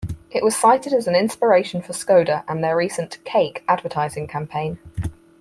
It was cited as an inspiration for Skoda and their recent "Cake" advertising campaign.